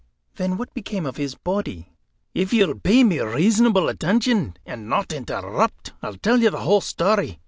"Then, what became of his body?" "If you'll pay me reasonable attention, and not interrupt, I'll tell you the whole story.